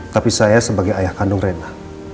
tapi saya sebagai ayah kandung rena